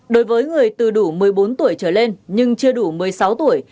đối với người từ đủ một mươi bốn tuổi trở lên nhưng chưa đủ một mươi sáu tuổi